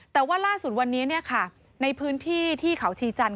แต่ว่าล่าสุดวันนี้ในพื้นที่ที่เขาชีจันท